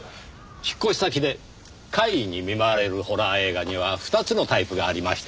引っ越し先で怪異に見舞われるホラー映画には２つのタイプがありました。